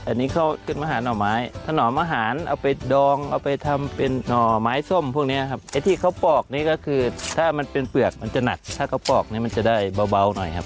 อันนี้เขาขึ้นมาหาหน่อไม้ถนอมอาหารเอาไปดองเอาไปทำเป็นหน่อไม้ส้มพวกนี้ครับไอ้ที่เขาปอกนี้ก็คือถ้ามันเป็นเปลือกมันจะหนักถ้าเขาปอกนี้มันจะได้เบาหน่อยครับ